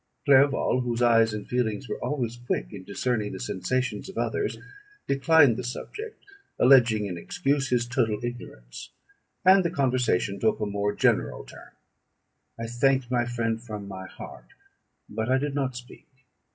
Clerval, whose eyes and feelings were always quick in discerning the sensations of others, declined the subject, alleging, in excuse, his total ignorance; and the conversation took a more general turn. I thanked my friend from my heart, but I did not speak.